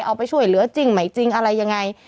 เอาไปช่วยเหลือจริงไหมจริงอะไรยังไง